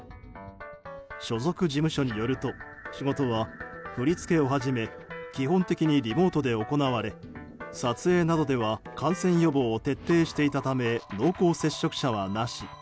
所属事務所によると仕事は、振り付けをはじめ基本的にリモートで行われ撮影などでは感染予防を徹底してたため濃厚接触者はなし。